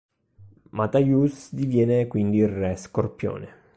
Mathayus diviene quindi il Re Scorpione.